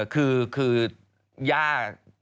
คือย่า